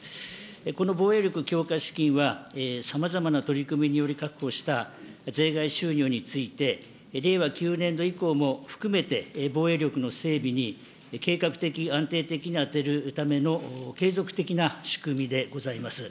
この防衛力強化資金はさまざまな取り組みにより確保した税外収入について、令和９年度以降も含めて、防衛力の整備に計画的、安定的にあてるための継続的な仕組みでございます。